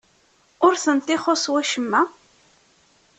Ur tent-ixuṣṣ wacemma?